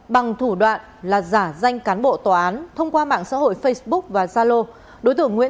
bằng thủ đoạn là giả danh cán bộ tòa án thông qua mạng xã hội facebook và zalo đối tượng nguyễn